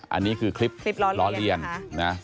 อันนี้คือคลิปล้อเลียนนะ